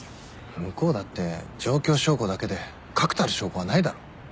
向こうだって状況証拠だけで確たる証拠はないだろ。